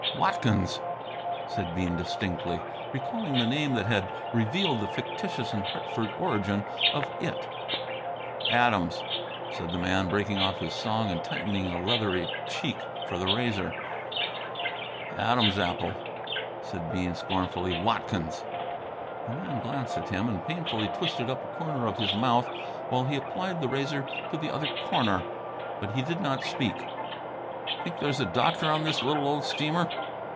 "Watkins," said Bean distinctly, recalling the name that had revealed the fictitious and Hartford origin of It. "Adams," said the man, breaking off his song and tightening a leathery cheek for the razor. "Adam's apple," said Bean, scornfully. "Watkins!" The man glanced at him and painfully twisted up a corner of his mouth while he applied the razor to the other corner. But he did not speak. "Think there's a doctor on this little old steamer?"